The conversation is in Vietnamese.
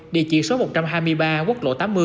địa chỉ số một trăm hai mươi ba quốc lộ tám mươi